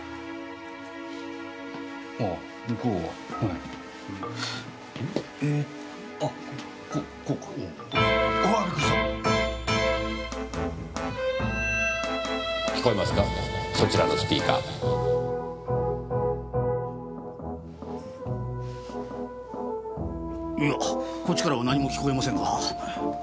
いやこっちからは何も聞こえませんが。